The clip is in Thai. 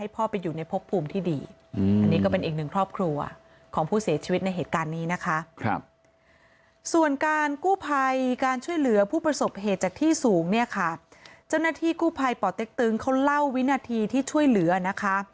เจ้าหน้าที่กู้ภัยป่อเต็กตึงเขาเล่าวินาทีที่ช่วยเหลือนะคะ